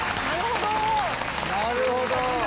なるほど！